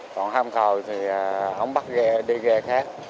còn hôm thồi thì ông bắt ghe đi ghe khác